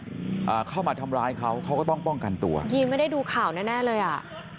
อ่าเข้ามาทำร้ายเขาเขาก็ต้องป้องกันตัวยีนไม่ได้ดูข่าวแน่แน่เลยอ่ะ